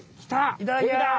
いただきます！